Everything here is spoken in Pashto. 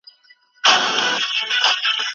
کاردستي د ماشومانو د پوهې او مهارتونو اساس دی.